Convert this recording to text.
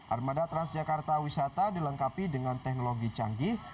armada transjakarta wisata dilengkapi dengan teknologi canggih